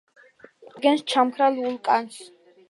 წარმოადგენს ჩამქრალ ვულკანს.